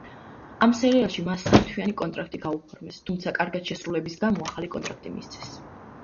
ამ სერიალში მას სამთვიანი კონტრაქტი გაუფორმეს, თუმცა კარგად შესრულების გამო ახალი კონტრაქტი მისცეს.